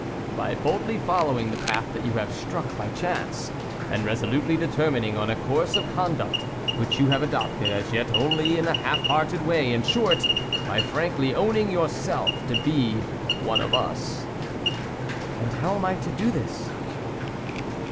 " By boldly following the path that you have struck by chance, and resolutely determining on a course of conduct which you have adopted as yet only in a half hearted way ; in short, by frankly owning yourself to be one of us." " And how am I to do this